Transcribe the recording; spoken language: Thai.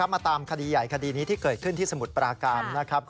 มาตามคดีใหญ่คดีนี้ที่เกิดขึ้นที่สมุทรปราการนะครับ